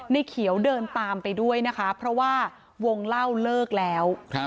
ในเขียวเดินตามไปด้วยนะคะเพราะว่าวงเล่าเลิกแล้ว